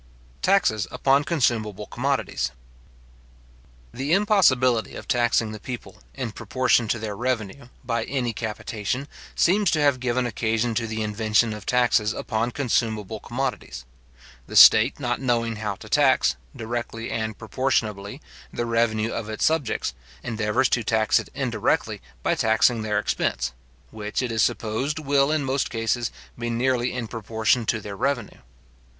Taxes upon Consumable Commodities. The impossibility of taxing the people, in proportion to their revenue, by any capitation, seems to have given occasion to the invention of taxes upon consumable commodities. The state not knowing how to tax, directly and proportionably, the revenue of its subjects, endeavours to tax it indirectly by taxing their expense, which, it is supposed, will, in most cases, be nearly in proportion to their revenue.